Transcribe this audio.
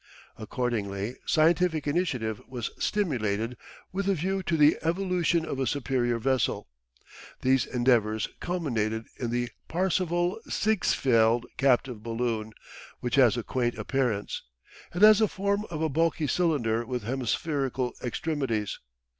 Accordingly scientific initiative was stimulated with a view to the evolution of a superior vessel. These endeavours culminated in the Parseval Siegsfeld captive balloon, which has a quaint appearance. It has the form of a bulky cylinder with hemispherical extremities.